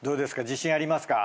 自信ありますか？